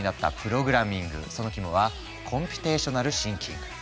その肝はコンピュテーショナル・シンキング。